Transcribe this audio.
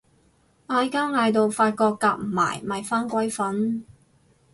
嗌交嗌到發覺夾唔埋咪返歸瞓